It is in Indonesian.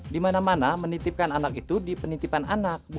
di mana mana menitipkan anak itu di penitipan anak